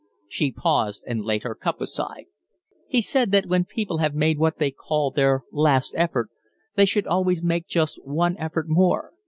She paused and laid her cup aside. "He said that when people have made what they call their last effort, they should always make just one effort more.